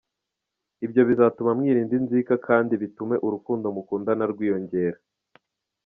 Ibyo bizatuma mwirinda inzika kandi bitume urukundo mukundana rwiyongera.